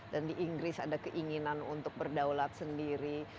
dan di inggris ada keinginan untuk berdaulat sendiri